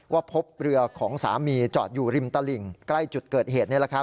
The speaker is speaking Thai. ว่าพบเรือของสามีจอดอยู่ริมตลิ่งใกล้จุดเกิดเหตุ